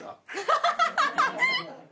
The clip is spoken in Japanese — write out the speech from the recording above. ◆ハハハハッ！